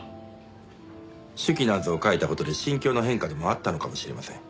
手記なんぞを書いた事で心境の変化でもあったのかもしれません。